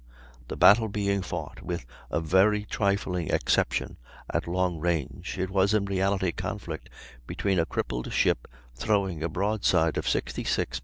The battle being fought, with a very trifling exception, at long range, it was in reality a conflict between a crippled ship throwing a broadside of 66 lbs.